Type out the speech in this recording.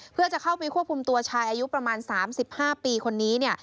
เพื่อจะเข้าไปควบคุมตัวชายอายุประมาณ๓๕ปีคนนี้เนี่ย